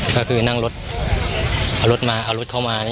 ก็คือนั่งรถเอารถเข้ามา